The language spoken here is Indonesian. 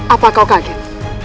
apa kau kaget